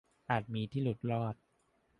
- อาจมีที่หลุดรอด